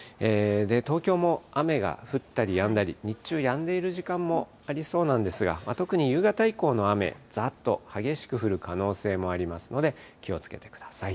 東京も雨が降ったりやんだり、日中やんでいる時間もありそうなんですが、特に夕方以降の雨、ざーっと激しく降る可能性もありますので、気をつけてください。